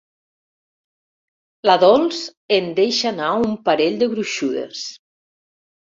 La Dols en deixa anar un parell de gruixudes.